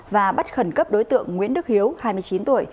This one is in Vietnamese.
và bắt khẩn cấp đối tượng nguyễn đức hiếu hai mươi chín tuổi